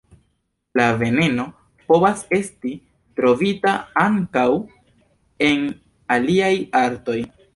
La veneno povas esti trovita ankaŭ en aliaj artoj.